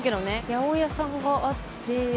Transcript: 八百屋さんがあって。